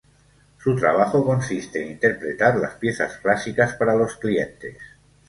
Su trabajo consiste en interpretar las piezas clásicas para los clientes.